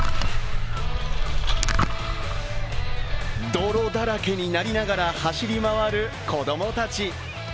泥だらけになりながら走り回る子供たち。